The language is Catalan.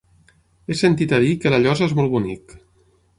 He sentit a dir que La Llosa és molt bonic.